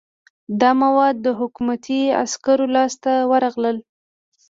دا مواد د حکومتي عسکرو لاس ته ورغلل.